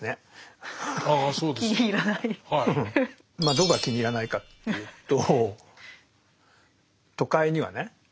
どこが気に入らないかっていうと都会にはね